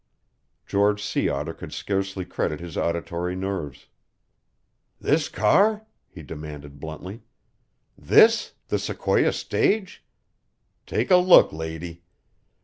George Sea Otter could scarcely credit his auditory nerves. "This car?" he demanded bluntly, "this the Sequoia stage! Take a look, lady.